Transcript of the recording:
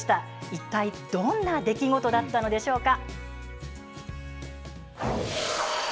一体どんな出来事だったのでしょうか。